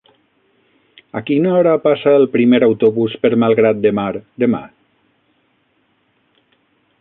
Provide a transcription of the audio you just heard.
A quina hora passa el primer autobús per Malgrat de Mar demà?